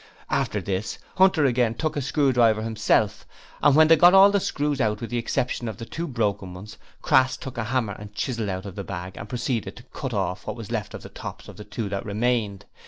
After this, Hunter again took a screwdriver himself, and when they got all the screws out with the exception of the two broken ones, Crass took a hammer and chisel out of the bag and proceeded to cut off what was left of the tops of the two that remained.